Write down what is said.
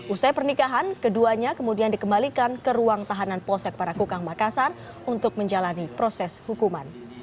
usai pernikahan keduanya kemudian dikembalikan ke ruang tahanan polsek para kukang makassar untuk menjalani proses hukuman